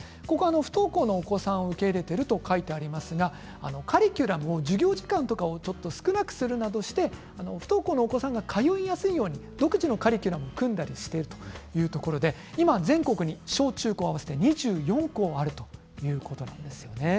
不登校のお子さんを受け入れていると書いてありますがカリキュラム、授業時間とかを少なくするなどして不登校のお子さんが通いやすいように独自のカリキュラムを組んだりしているというところで全国に小中高合わせて２４校あるということです。